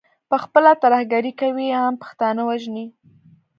پخپله ترهګري کوي، عام پښتانه وژني.